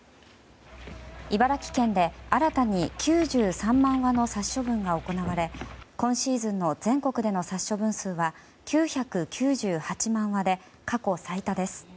茨城県で新たに９３万羽の殺処分が行われ今シーズンの全国での殺処分数は９９８万羽で過去最多です。